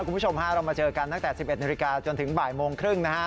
คุณผู้ชมฮะเรามาเจอกันตั้งแต่๑๑นาฬิกาจนถึงบ่ายโมงครึ่งนะฮะ